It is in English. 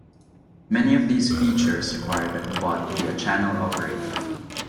Many of these features require that the bot be a channel operator.